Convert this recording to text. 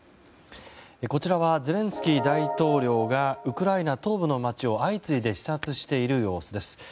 こちらはゼレンスキー大統領がウクライナ東部の街を相次いで視察している様子です。